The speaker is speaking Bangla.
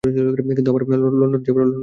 কিন্তু আমার লণ্ডনে যাবার কোন তাড়া নেই।